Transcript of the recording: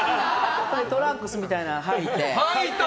トランクスみたいなのはいて。